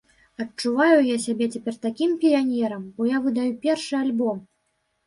Адчуваю я сябе цяпер такім піянерам, бо я выдаю першы альбом!